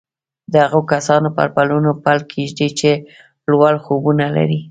د هغو کسانو پر پلونو پل کېږدئ چې لوړ خوبونه لري